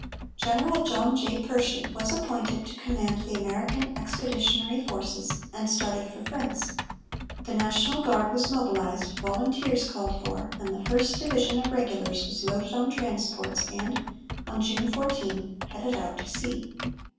General John J. Pershing was appointed to command the American Expeditionary Forces, and started for France. The National Guard was mobilized, volunteers called for, and the First Division of regulars was loaded on transports and, on June 14, headed out to sea.